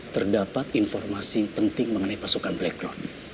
terdapat informasi penting mengenai pasukan black lord